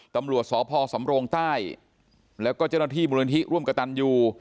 ตำรวจสพสำโรงใต้แล้วก็เจ้าหน้าที่มูลนิธิร่วมกระตันยู